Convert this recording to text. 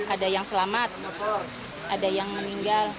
ada yang selamat ada yang meninggal